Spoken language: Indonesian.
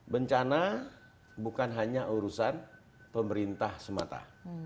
bencana bukan hanya urusan pemerintah semata